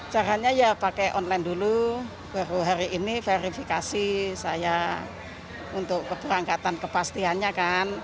caranya ya pakai online dulu baru hari ini verifikasi saya untuk keberangkatan kepastiannya kan